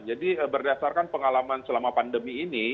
jadi berdasarkan pengalaman selama pandemi ini